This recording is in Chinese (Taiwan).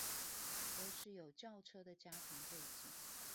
都是有轎車的家庭背景